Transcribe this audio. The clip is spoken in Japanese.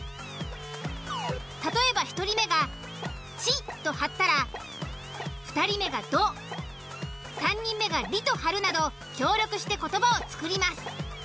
例えば１人目が「ち」と張ったら２人目が「ど」３人目が「り」と張るなど協力して言葉を作ります。